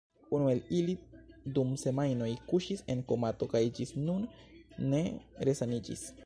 Unu el ili dum semajnoj kuŝis en komato kaj ĝis nun ne resaniĝis.